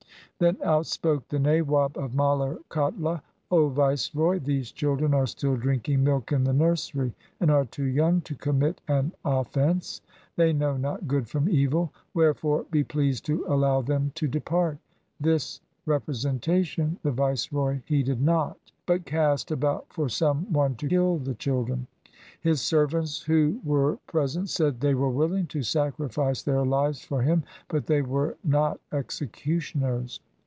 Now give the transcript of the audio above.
Then out spoke the Nawab of Maler Kotla, ' O Viceroy, these children are still drinking milk in the nursery, and are too young to commit an offence. They know not good from evil. Wherefore be pleased to allow them to depart.' This representa tion the Viceroy heeded not, but cast about for some one to kill the children. His servants who were present said they were willing to sacrifice their lives for him, but they were not executioners.